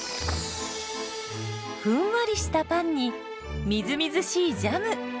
ふんわりしたパンにみずみずしいジャム。